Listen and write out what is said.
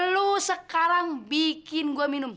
lu sekarang bikin gue minum